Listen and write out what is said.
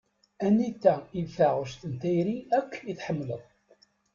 Anita i d taɣect n tayri akk i tḥemmleḍ?